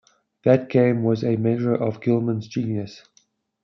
That game was a measure of Gillman's genius.